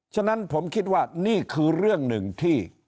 ฉะนั้นผมคิดว่านี่คือเรื่องหนึ่งที่